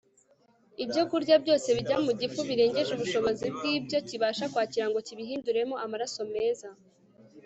ibyokurya byose bijya mu gifu birengeje ubushobozi bw'ibyo kibasha kwakira ngo kibihinduremo amaraso meza